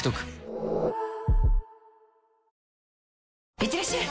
いってらっしゃい！